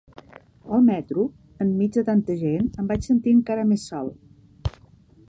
Al metro, enmig de tanta gent, em vaig sentir encara més sol.